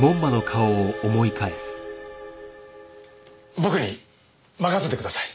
僕に任せてください。